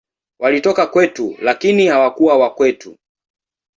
Walitoka kwetu, lakini hawakuwa wa kwetu.